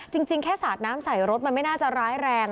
จริงแค่สาดน้ำใส่รถมันไม่น่าจะร้ายแรง